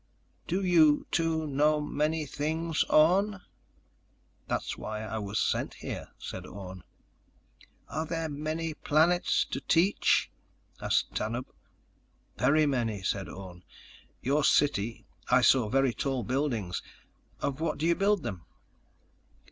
"Do you, too, know many things, Orne?" "That's why I was sent here," said Orne. "Are there many planets to teach?" asked Tanub. "Very many," said Orne. "Your city—I saw very tall buildings. Of what do you build them?"